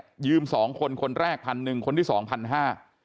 ยืมสองคนคนแรกพันหนึ่งคนที่สองพันห้า